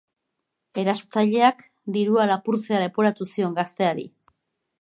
Erasotzaileak dirua lapurtzea leporatu zion gazteari.